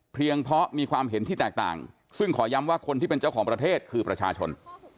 เพราะมีความเห็นที่แตกต่างซึ่งขอย้ำว่าคนที่เป็นเจ้าของประเทศคือประชาชน